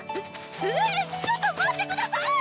ええ⁉ちょっと待って下さい！